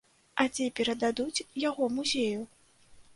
А ці перададуць яго музею?